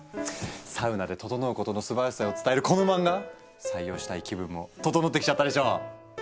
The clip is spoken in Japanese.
「サウナでととのう」ことのすばらしさを伝えるこの漫画採用したい気分もととのってきちゃったでしょう。